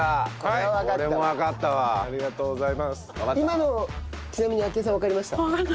今のちなみに晶絵さんわかりました？